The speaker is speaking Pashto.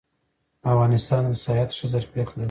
افغانستان د سیاحت ښه ظرفیت لري